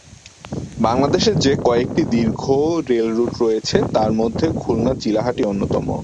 বাংলাদেশে যে কয়েকটি দীর্ঘ রেল রুট রয়েছে তার মধ্যে খুলনা চিলাহাটি অন্যতম।